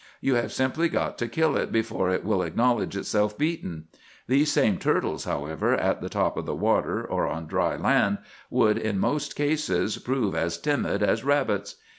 You have simply got to kill it before it will acknowledge itself beaten. These same turtles, however, at the top of the water or on dry land would, in most cases, prove as timid as rabbits.